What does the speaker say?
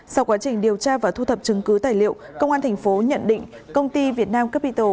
sau quá trình điều tra và thu thập chứng cứ tài liệu công an tp nhận định công ty việt nam capito